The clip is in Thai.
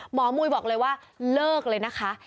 มุยบอกเลยว่าเลิกเลยนะคะ